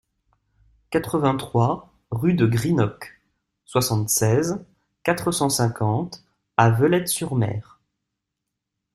quatre-vingt-trois rue de Greenock, soixante-seize, quatre cent cinquante à Veulettes-sur-Mer